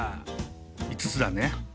５つだね。